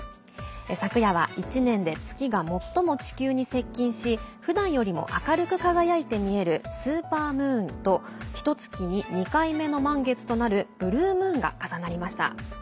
昨夜は一年で月が最も地球に接近しふだんよりも明るく輝いて見えるスーパームーンとひとつきに２回目の満月となるブルームーンが重なりました。